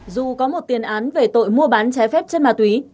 dù có một tiền án về tội mua bán trái phép chất ma túy